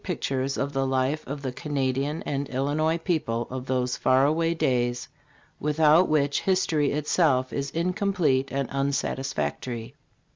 pictures of the life of the Canadian and Illinois people of those far away days, without which history itself is in complete and unsatisfactory.